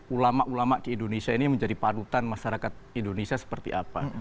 ulama ulama di indonesia ini menjadi parutan masyarakat indonesia seperti apa